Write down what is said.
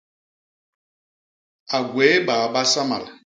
A gwéé baa basamal.